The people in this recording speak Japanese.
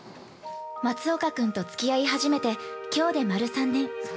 ◆松岡君とつき合い始めてきょうで丸３年。